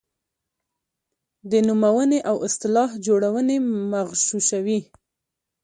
د نومونې او اصطلاح جوړونې مغشوشوي.